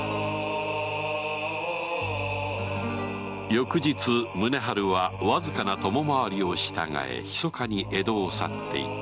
翌日宗春は僅かな供回りを従え密かに江戸を去っていった